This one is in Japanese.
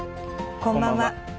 こんばんは。